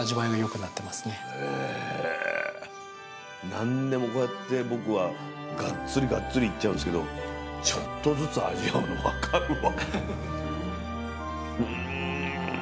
何でもこうやって僕はガッツリガッツリいっちゃうんですけどちょっとずつ味わうの分かるわ。